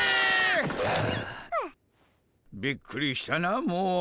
びっくりしたなもう。